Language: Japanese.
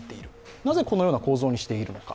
なぜ、このような構造にしているのか。